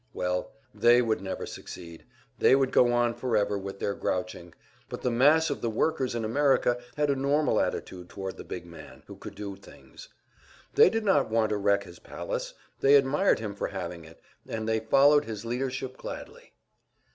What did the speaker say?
Well, they would never succeed; they could go on forever with their grouching, but the mass of the workers in America had a normal attitude toward the big man, who could do things. They did not want to wreck his palace; they admired him for having it, and they followed his leadership gladly.